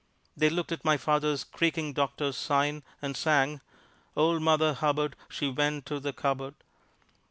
They looked at my father's creaking doctor's sign, and sang, "Old Mother Hubbard, she went to the cupboard."